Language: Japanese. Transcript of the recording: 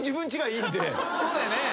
そうだよね。